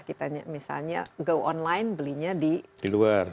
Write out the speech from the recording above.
misalnya kita go online belinya di luar